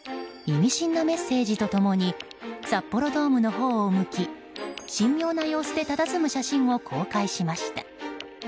意味深なメッセージと共に札幌ドームの方を向き神妙な様子でたたずむ写真を公開しました。